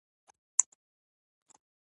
دوی ډېر ارګی تازه کړل خو چیني حرکت نه کاوه.